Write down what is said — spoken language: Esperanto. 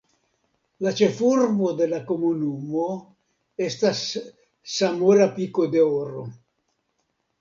La ĉefurbo de la komunumo estas Zamora Pico de Oro.